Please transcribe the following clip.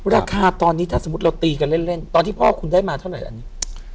ราคาตอนนี้ถ้าสมมุติเราตีกันเล่นตอนที่พ่อคุณได้มาเท่าไหร่อันนี้